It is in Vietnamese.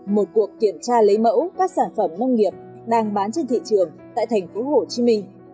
một cuộc kiểm tra lấy mẫu các sản phẩm nông nghiệp đang bán trên thị trường tại tp hcm